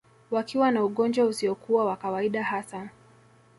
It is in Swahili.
Wakiwa na ugonjwa usiokuwa wa kawaida hasa